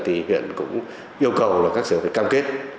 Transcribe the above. thì huyện cũng yêu cầu là các sở phải cam kết